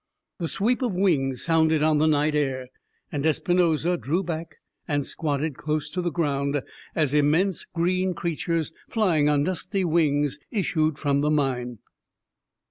The sweep of wings sounded on the night air, and Espinosa drew back and squatted close to the ground, as immense green creatures, flying on dusty wings, issued from the mine.